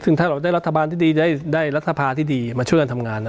ซึ่งถ้าเราได้รัฐบาลที่ดีได้รัฐภาที่ดีมาช่วยกันทำงานนะ